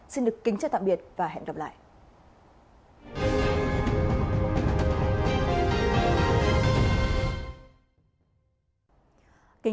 xin được kính chào tạm biệt và hẹn gặp lại